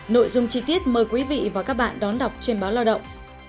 nội dung chi tiết mời quý vị và các bạn đón đọc trên báo lao động